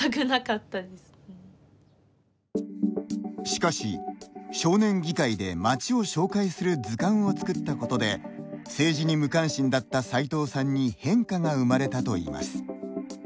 しかし、少年議会で町を紹介する図鑑を作ったことで政治に無関心だった齋藤さんに変化が生まれたといいます。